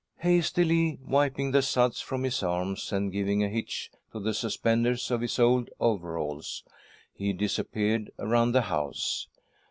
Hastily wiping the suds from his arms, and giving a hitch to the suspenders of his old overalls, he disappeared around the house.